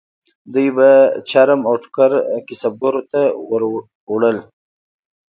دوی به چرم او ټوکر کسبګرو ته ووړل.